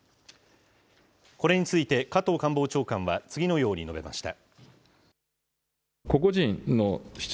これについて加藤官房長官は、次のように述べました。